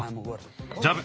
ジャブ。